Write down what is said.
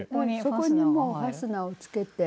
そこにもうファスナーをつけて。